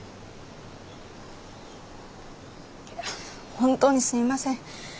本当にすみません。